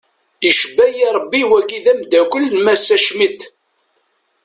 Icebbayi rebbi wagi d amdakel n massa Schmitt.